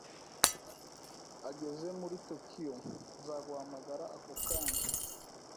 Ageze muri Tokiyo, nzaguhamagara ako kanya